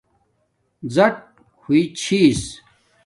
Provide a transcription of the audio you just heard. زُٹ ہوئ چھی